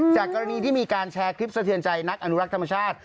จากกรณีที่มีการแชร์คลิปสะเทือนใจนักอนุรักษ์ธรรมชาติ